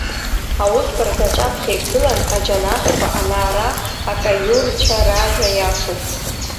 Аусбарҭа аҿаԥхьа игылан аџьанахқәа ана, ара, акаиурцәа ражәа иашоуп…